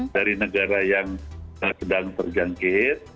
dari negara yang sedang terjangkit